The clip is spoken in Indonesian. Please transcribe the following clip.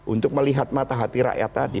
untuk melihat mata hati rakyat tadi